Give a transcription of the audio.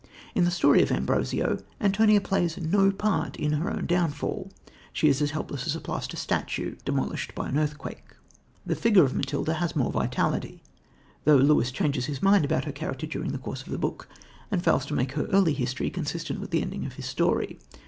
In the story of Ambrosio, Antonia plays no part in her own downfall. She is as helpless as a plaster statue demolished by an earthquake. The figure of Matilda has more vitality, though Lewis changes his mind about her character during the course of the book, and fails to make her early history consistent with the ending of his story.